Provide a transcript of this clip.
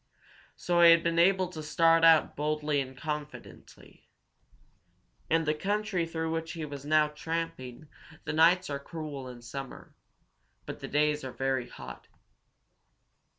So he had been able to start out boldly and confidently. In the country through which he was now tramping the nights are cool in summer, but the days are very hot.